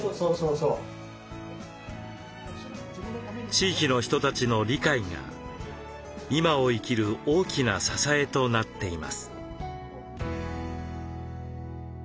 地域の人たちの理解が今を生きる大きな支えとなっています。